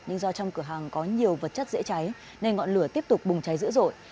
nhưng do trong cửa hàng có nhiều vật chất dễ cháy nên ngọn lửa tiếp tục bùng cháy dữ dội